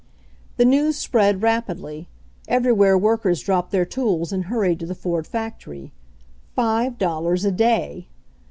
The news spread rapidly. Everywhere work ers dropped their tools and hurried to the Ford factory. Five dollars a day!